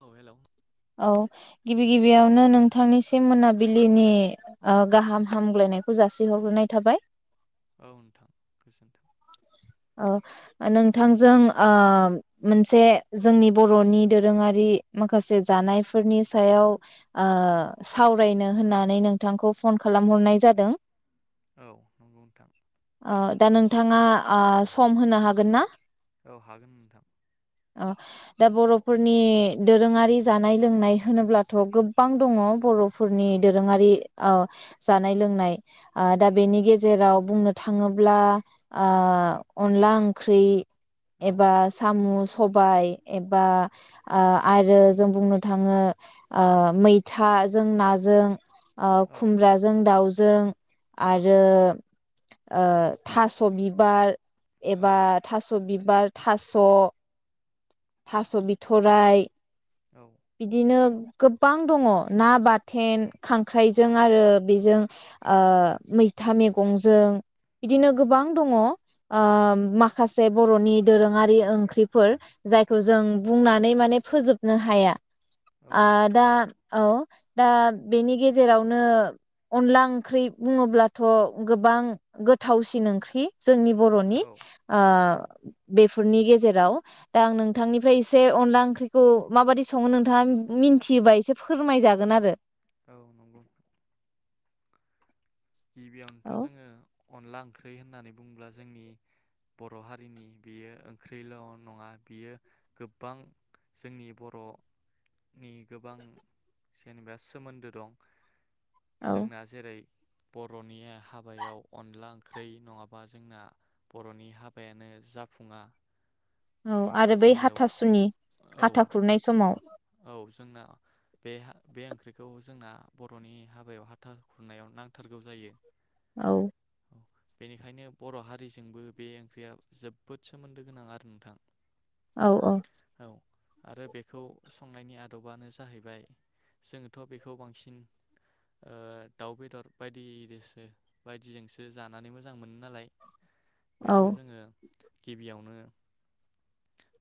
औ हेलौ औ गिबि गिबियावनो नोंथांनिसिम मोनाबिलिनि ओ गाहाम हामग्लायनायखौ जासिहरगोरनाय थाबाय। औ नोंथां गोजोनथों। ओ नोंथांजों ओ मोनसे जोंनि बरनि दोरोङारि माखासे से जानायफोरनि सायाव ओ सावरायनो होननानै नोंथांखौ फन खालामहरनाय जादों। औ नंगौ नोंथां ओ दा नोंथाङा आ सम होनो हागोन ना? औ हागोन नोंथां। अ दा बरफोरनि दोरोङारि जानाय लोंनाय होनोब्लाथ गोबां दङ बर फोरनि औ दोरोङारि औ जानाय लोंनाय ओ दा बेनि गेजेराव बुंनो थाङोब्ला ओ अनला ओंख्रि औ एबा सामु, सबाइ एबा ओ आरो जों बुंनो थाङो ओ मैथाजों नाजों ओ औ खुमब्राजों दाउजों औ आरो ओ थास' बिबार एबा थास‌' बिबार थास' थास' बिथ'राय औ बिदिनो गोबां दङ' ना बाथेन, खांख्राइजों आरो बेजों ओ मैथा मेगंजों औ बिदिनो गोबां दङ ओ माखासे बर'नि दोरोङारि ओंख्रिफोर। जायखौ जों बुंनानै माने फोजोबनो हाया। औ आ नंगौ दा नोंथां औ दा बेनि गेजेरावनो अनला ओंख्रि बुङोब्लाथ' गोबां गोथावसिन ओंख्रि। जोंनि बर'नि औ ओ औ बेफोरनि गेज जेराव दा आं नोंथांनिफ्राय एसे अनला ओंख्रिखौ माबादि सङो नोंथाङा मिन्थियोबा एसे फोरमायजागोन आरो। औ नंगौ। गिबियावनोथ' औ जोङो। अनला ओंख्रै होननानै बुङोब्ला जोंनि बर' हारिनि बेयो ओंख्रैल' नङा बियो गोबां जोंनि बर' नि गोबां जेनेबा सोमोन्दो दं। औ जोंना जेरै बर'नि हाबायाव अनला ओंख्रै नङाबा जोंना बर'नि हाबायानो जाफुङा। औ आरो बै जोंनो हाथासुनि औ हाथा खुरनाय समाव। औ जोंना बे हा बे ओंख्रिखौ जोंना बर'नि हाबायाव हाथा खुरनायाव नां थारगौ जायो। औ। बेनिखायनो बर'हारिजोंबो बे ओंख्रिया जोबोद सोमोन्दो गोनां आरो नोंथां। औ औ। औ आरो बेखौ संनायनि आदबानो जाहैबाय जोङोथ' बेखौ बांसिन ओ दाउ बेदर बायदि रोसो बायदिजोंसो जानानै मोजां मोनो नालाय औ बेखौ जोङो गिबियावनो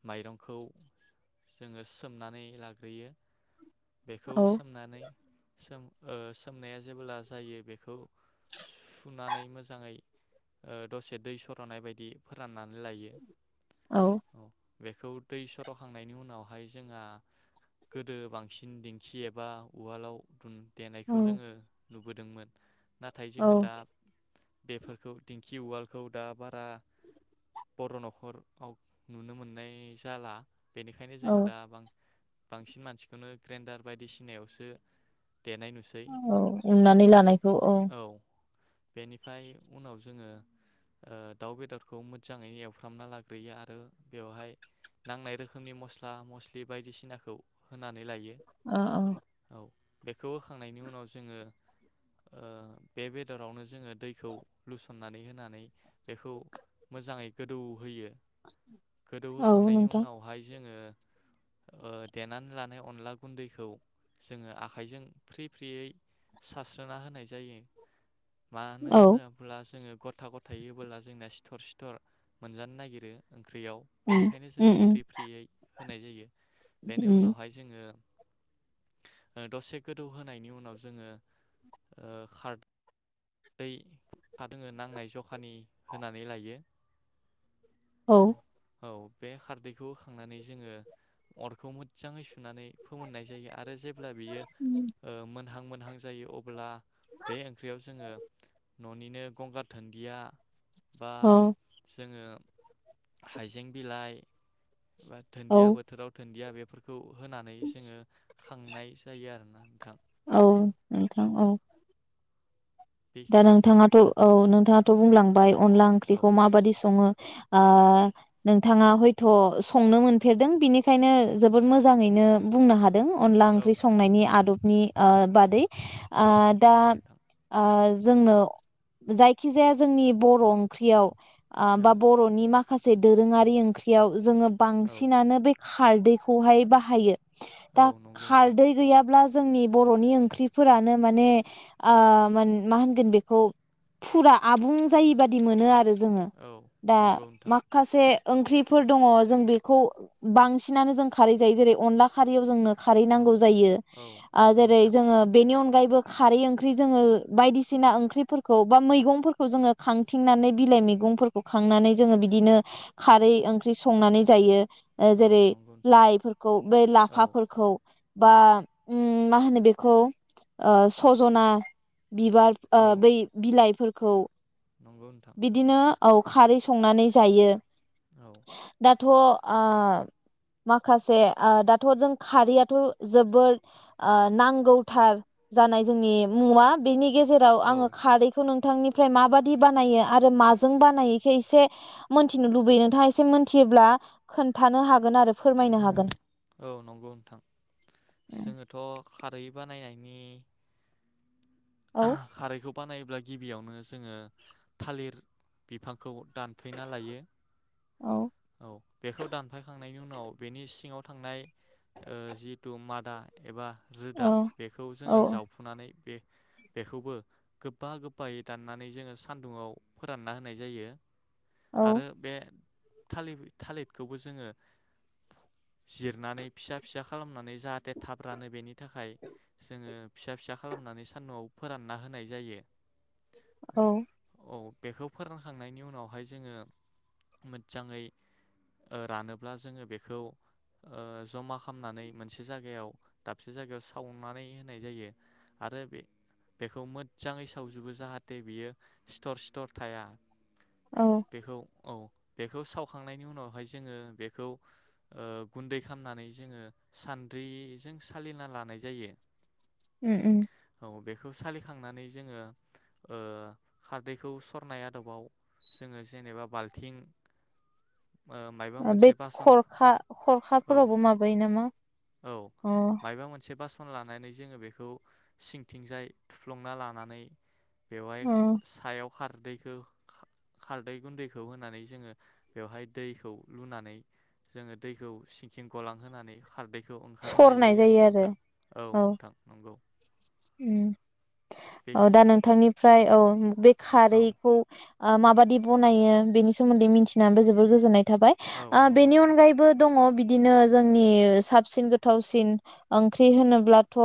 माइरंखौ जोङो सोमनानै लाग्रोयो। बेखौ औ सोमनानै सोम ओ सोमनाया जेबोला जायो बेखौ सुनानै मोजाङै ओ दसे दै सरनाय बायदि फोरानना लायो औ बेखौ दै सरखांनायनि उनावहाय जोंहा गोदो बांसिन दिंखि एबा उवालाव उन देनायखौ जोङो औ नुबोदोंमोन नाथाय जोङो दा बेफोरखौ दिंखि उवालखौ दा बारा बर' न'खरफाव नुनो मोननाय जाला बेनिखायनो जों औ दा बां बांसिन मानसिखौनो ग्रेन्डार बायदिसिनायावसो देनाय नुसै औ उननानै लानाय खौ औ बेनिफ्राय उनाव जोङो ओ दाउ बेदरखौ मोज्जाङै एवफ्रामना लाग्रोयो आरो बेवहाय नांनाय रोखोमनि मस्ला मस्लि बायदिसिनाखौ होनानै लायो ओ औ औ बेखौ होखांनायनि उनाव जोङो ओ बे बेदरावनो जोङो दैखौ लुसननानै होनानै बेखौ मोजाङै गोदौ होयो गोदौ औ होखांनायनि नोंथां उनावहाय जोङो ओ देनानै लानाय अनला गुन्दैखौ जोङो आखाइजों फ्रि फ्रियै सास स्रोना होनाय जायो मानो औ होनोब्ला जोङो गथ गथा-गथायै होबोला जोंनिया सिथर सिथर मोनजानो नागिरो ओं ख्रियाव उम बेनिखायनो जोङो उम फ्रि फ्रियै होनाय जायो बेनि उम उम उनावहाय जोङो ओ दसे गोदौ होनायनि उनाव जोङो ओ खारदै दोङो नांनाय जखानि होनानै लायो औ औ बे खारदैखौ होखांनानै जोङो अरखौ मोज्जाङै सुनानै फोमोननाय जायो आर रो जेब्ला बियो मोनहां मोनहां जायो अब अबोला बे ओंख्रियाव जोङो ननिनो गंगार धोनदिया बा औ जोङो हाइजें बिलाइ दोनन्दिया औ बोथोराव दोनन्दिया बे खौ होनानै जोङो खांनाय जायो आरोना नोंथां औ नोंथां औ बे दा नोंथाङाथ' औ नोंथाङा थ' बुंलांबाय अनला औ ओंख्रिखौ माबादि सङो आ औ नों थाङा हयथ' संनो मोनफेरदों बिनिखायनो जोबोद मोजाङैनो बुंनो हा दों अनला औ ओंख्रि नोंथां संनायनि आदबनि ओ बादै ओ औ दा नंगौ नोंथां ओ जोंनो जायखि जाया जोंनि बर' ओंख्रियाव आ औ बा बर'नि मा खासे दोरोङारि ओंख्रियाव जोङो औ बांसिनानो बे खारदैखौहाय बाहायो। औ दा नंगौ नोंथां खारदै गैयाब्ला जोंनि बर'नि ओंख्रिफोरानो माने आ मा होनगोन बिखौ फुरा आबुं जायि बाद दि मोनो आरो जोङो औ दा नंगौ नोंथां माखासे ओंख्रिफोर दङ जों बेखौ बांसिनानो जों खारै जायो जेरै- अनला खारैयाव जोंनो खारै औ नांगौ जायो औ ओ नंगौ नोंथां जेरै- जोङो बेनि अनगायैबो खारै ओंख्रि जोङो बायदिसिना ओंख्रिफोरखौ बा मैगंफोरखौ जोङो खांथिंनानै बिलाइ मैगंफोरखौ खांनानै जोङो बिदिनो खारै ओंख्रि संनानै जायो। औ जेरै- नंगौ नोंथां लाइफोरखौ बे औ लाफाफोरखौ बा औ ओम ओम मा होनो बेखौ ओ सजना बिबार ओ औ बै बिलाइफोर खौ नंगौ नोंथां बिदिनो औ खारै संनानै जायो। औ दाथ' ओ माखासे ओ दाथ' जों खारैयाथ' जोबोद ओ नांगौथार जानाय जोंनि मुवा बिनि गेजेराव औ आङो खारैखौ नों थांनिफ्राय माबादि बानायो आरो माजों बानायोखौ एसे मिथिनो लुबैयो नोंथाङा एसे मोनथियोब्ला खोन्थानो हागोन आरो फोरमायनो हागोन औ नंगौ नोंथां जोङोथ खारै बानायनायनि औ खारैखौ बानायोब्ला गिबियावनो जोङो थालिर बिफांखौ दानफेना लायो औ औ बेखौ दानफायखां थांनायनि उनाव बेनि सिङाव थांनाय जिहेथु ओ मादा एबा रोदा औ बेखौ जोङो जावफुनानै बे बेखौबो गोबा गोबायै दाननानै जोङो सान्दुाव फोरानना होनाय जायो औ आरो बे थालिर थालिरखौबो जोङो जिरनानै फिसा फिसा खालामनानै जाहाथे थाब रानो बेनि थाखाय जोङो फिसा फिसा खालामनानै सान्दुंआव फोरानना होनाय जायो औ औ बेखौ फोरानखांनायनि उनावहाय जोङो मोजाङै ओ रानोब्ला जोङो बेखौ ओ जमा खालामनानै मोनसे जायगायाव दाबसे जायगायाव सावनानै होनाय जायो आरो बे बेखौ मोजाङै सावजोबो जाहाथे बियो सिथर सिथर थाया। औ बेखौ औ बेखौ सावखांनायनि उनावहाय जोङो बेखौ ओ गुन्दै खालामनानै जोङो सान्द्रिजों सालिना लानाय जायो। उं उं अबेग बेखौ सालिखांनानै जोङो औ खारदैखौ सरनाय आदबाव जोङो जेनेबा बाल्थिं ओ मायबा बे मोनसे बासन खरखा औ खरखाफोरावबो माबायो नामा ओ फन लानानै जोङो बेखौ सिंथिंजाय थुफ्लंना लानानै बेवहाय अ सायाव खारदैखौ खारदै गुन्दैखौ होनानै जोङो बेवहाय दैखौ लुनानै जोङो दैखौ सिंखिं गलांहानै खारदै बेखौ ओंखारहोनाय जायो आरो नोंथां औ नोंथां नंगौ। उं औ बेखि दा नोंथांनि फ्राय औ बे औ खारैखौ माबादि बनायो बेनि सोमोन्दै मिथिनानैबो जोबोर गोजोननाय थाबाय औ ओ नंगौ बेनि नोंथां अनगायैबो दङ बिदिनो जोंनि साबसिन गोथावसिन ओंख्रि होनोब्लाथ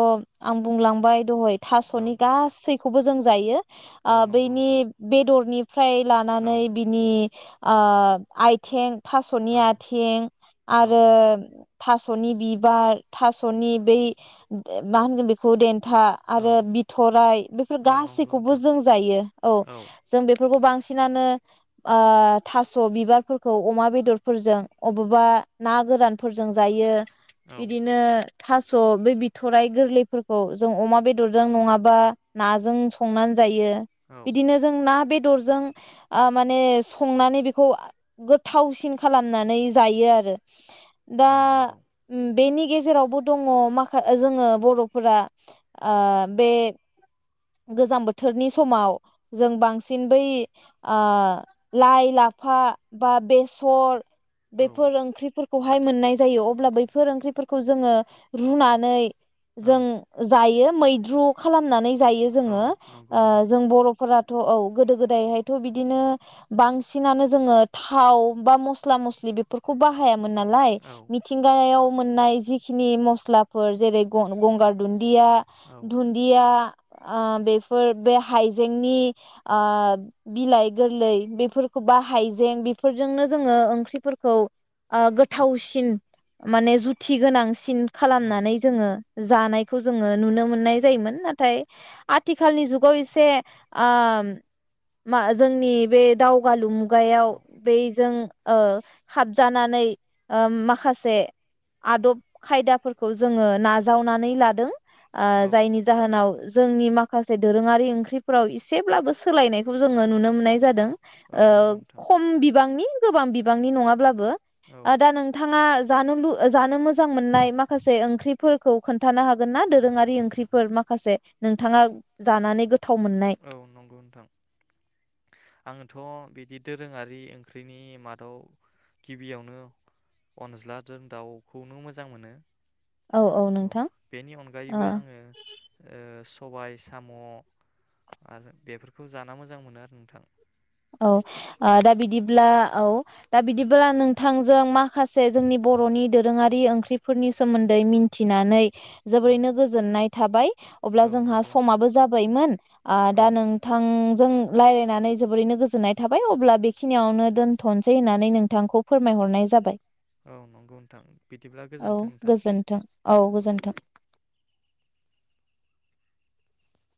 आं बुंलांबाय दहाय औ थासनि गासै खौबो जों जायो ओ औ नंगौ बैनि नोंथां बेदरनि फ्राय औ लानानै बिनि ओ आइथें थास'नि औ आइथिं औ आरो थासनि बिबार थासनि बै मा होनगोन बेखौ देनथा औ आरो बिथराइ बेफोर औ नंगौ गासैखौबो नोंथां जों जायो औ जों बेफोरखौ बांसिन बांसिनानो ओ थास' बिबारफोरखौ अमा बेदरफोरजों अबेबा ना गोरानफोरजों जायो औ बिदिनो थास बे बिथराइ गोरलैफोरखौ जों अमा बेदर बेदरजों नङाबा नाजों संनानै जायो औ बिदिनो जों ना बे बेदरजों ओ माने संनानै बेखौ गोथावसिन खालामनानै जायो आरो दा औ नंगौ बेनि गेजेरावबो दङ मा जोङो बर'फोरा ओ बे गोजां बोथोरनि समाव जों बांसिन बै ओ लाइ लाफा बा बेसर औ बेफोर ओंख्रिफोर खौहाय मोननाय जायो अब्ला बैफोर ओंख्रिफोरखौ जोङो रुनानै औ जों जायो मैद्रु खालामनानै जायो औ जोङो नंगौ ओ नोंथां जों बर' औ गोदो गोदायहायथ बिदिनो बांसिनानो जोङो थाव बा मस्ला मस्लि बेफोरखौ बाहाया मोन नालाय औ मिथिंगायाव मोननाय जिखनि मस्लाफोर जेरै गंगार दुन दुदिया औ दुन्दिया ओ बेफोर बे हाइजेंनि ओ बिलाइ गोरलै बेफोरखौ बा हाइजें बेफोरजोंनो जोङो ओंख्रिफोरखौ ओ गोथावसिन माने जुथि गोनांसिन औ खालामनानै जोङो जानाय खौ जोङो नुनो मोननाय जायोमोन नाथाय आथिखालनि जुगाव एसे ओम जोंनि बे दावगालु मुगायाव औ बैजों खाबजानानै ओ माखासे आदब खायदाफोरखौ जोङो नाजावनानै लादों दों ओ औ जायनि जाहोनाव जोंनि माखासे दोरोङारि ओंख्रिफोराव इसेब्लाबो सोलायनायखौ जोङो नुनो मोननाय जादों औ ओ नंगौ नोंथां खम बिबांनि गोबां बिबांनि नङाब्लाबो औ दा नोंथाङा जानो लु जानो मोजां मोननाय माखासे ओंख्रिफोरखौ खोन्थानो हा हागोनना? दोरोङारि ओंख्रिफोर माखासे नोंथाङा जानानै गोथ औ नंगौ नोंथां आङोथ' बिदि दोरोङारि ओंख्रिनि मादाव गिबियावनो अनज्ला दों दाउखौनो मोजां मोनो। औ औ नोंथां बेनि ओ अनगायैबो आङो ओ सबाय साम' आरो बेफोरखौ जाना मोजां मोनो आरो नोंथां। औ औ दा बिदिब्ला औ। दा बिदिब्ला नोंथांजों माखासे जोंनि बर'नि दोरोङारि ओंख्रिफोरनि सोमोन्दै मिनथिनानै औ जोबोरैनो गोजोननाय थाबाय। अब्ला औ जोंहा नंगौ नोंथां समाबो जाबायमोन आ औ दा नोंथांजों रायलायनानै जोबोरैनो गो गोजोननाय थाबाय अब्ला बेखिनियावनो दोन्थनोसै होन्नानै नोंथांखौ फोरमायहरनाय जाबाय। औ नंगौ नोंथां बिदिब्ला औ गोजोन्थों नोंथां गोजोन्थों औ। गोजोन्थों